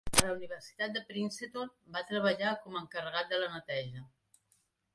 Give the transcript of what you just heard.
A la Universitat de Princeton va treballar com a encarregat de la neteja.